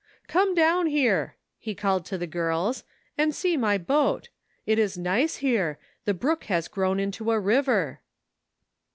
"Come down here," he called to the girls, " and see my boat. It is nice here ; the brook has grown into a river."